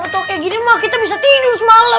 kalau tuh kayak gini mah kita bisa tidur semalam